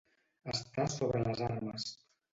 Estar sobre les armes.